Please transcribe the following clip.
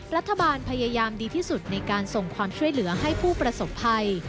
รัฐบาลพยายามดีที่สุดในการส่งความช่วยเหลือให้ผู้ประสบภัย